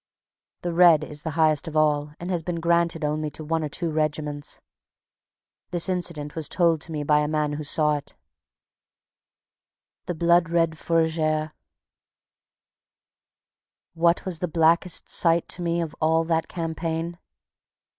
The red is the highest of all, and has been granted only to one or two regiments. This incident was told to me by a man who saw it: The Blood Red Fourragère What was the blackest sight to me Of all that campaign?